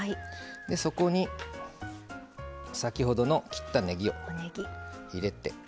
そこに先ほどの切ったねぎを入れて。